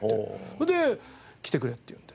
それで「来てくれ」って言われて。